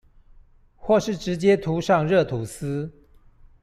或是直接塗上熱吐司